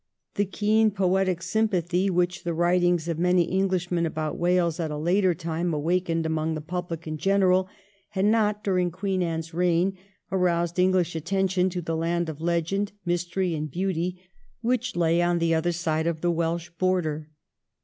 The keen poetic sympathy which the writ ings of many Englishmen about Wales at a later time VOL. II. y 322 THE EEIGN OF QUEEN ANNE. oh. xxxyi. awakened among the public in general, had not, during Queen Anne's reign, aroused English attention to the land of legend, mystery, and beauty, which lay on the other side of the Welsh border.